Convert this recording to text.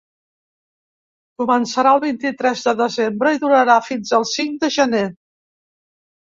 Començarà el vint-i-tres de desembre i durarà fins al cinc de gener.